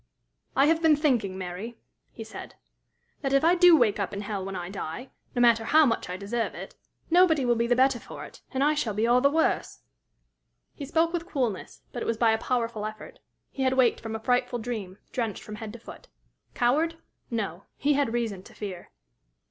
"I have been thinking, Mary," he said, "that if I do wake up in hell when I die, no matter how much I deserve it, nobody will be the better for it, and I shall be all the worse." He spoke with coolness, but it was by a powerful effort: he had waked from a frightful dream, drenched from head to foot. Coward? No. He had reason to fear.